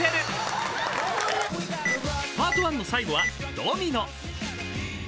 ［パート１の最後はドミノ］